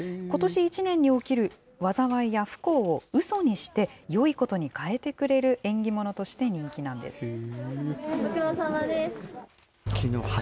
ことし１年に起きる災いや不幸をうそにして、よいことにかえてくれる縁起物として人気なんです。